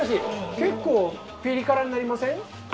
結構ピリ辛になりません？